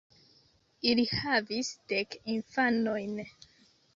Ili havis dek infanojn.